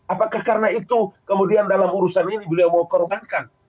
apakah karena itu kemudian dalam urusan ini beliau mau korbankan